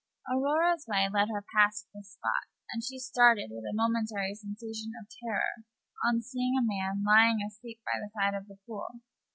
Aurora's way led her past this spot, and she started with a momentary sensation of terror on seeing a man lying asleep by the side of the pool.